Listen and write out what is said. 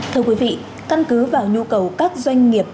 thưa quý vị căn cứ vào nhu cầu các doanh nghiệp